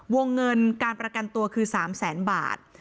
วงเงินการประกันตัวคือ๓แสนบาท